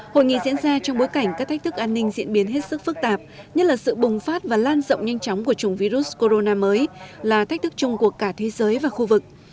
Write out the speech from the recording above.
hội nghị diễn ra trong bối cảnh các thách thức an ninh diễn biến hết sức phức tạp nhất là sự bùng phát và lan rộng nhanh chóng của chủng virus corona mới là thách thức chung của cả thế giới và khu vực